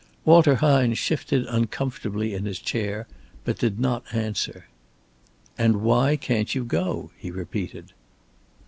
Walter Hine shifted uncomfortably in his chair but did not answer. "And why can't you go?" he repeated.